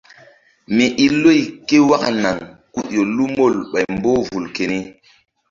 Mi i loy ké waka naŋ ku ƴo lu mol ɓay mboh vul keni.